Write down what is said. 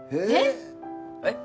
えっ！？